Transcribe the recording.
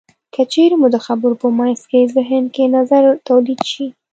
که چېرې مو د خبرو په منځ کې زهن کې نظر تولید شي.